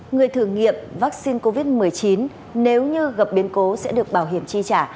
người thử nghiệm vaccine covid một mươi chín nếu như gặp biến cố sẽ được bảo hiểm chi trả